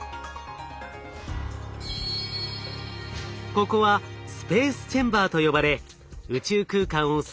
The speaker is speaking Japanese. ここはスペースチェンバーと呼ばれ宇宙空間を再現する施設。